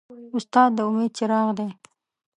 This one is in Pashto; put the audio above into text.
استاد د امید څراغ دی.